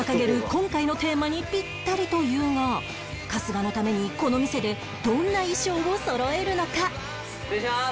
今回のテーマにピッタリというが春日のためにこの店でどんな衣装をそろえるのか？